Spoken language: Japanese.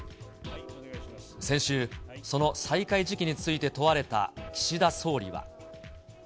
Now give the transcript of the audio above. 先週、その再開時期について問われた岸田総理は。